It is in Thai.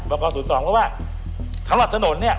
๐๒เพราะว่าสำหรับถนนเนี่ย